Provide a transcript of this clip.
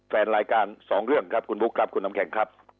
แฟนรายการสองเรื่องครับคุณบุ๊คครับคุณน้ำแข็งครับ